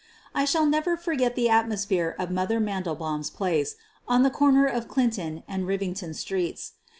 I shall never forget the atmosphere of "Mother" Mandelbaum's place on the corner of Clinton and Eivington Streets.